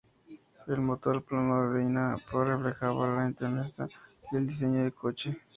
El motor plano del Dyna X reflejaba la idiosincrasia del diseño del coche.